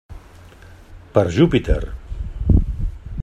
Per Júpiter!